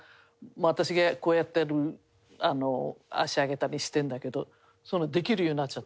私がこうやってる足上げたりしてるんだけどできるようになっちゃって。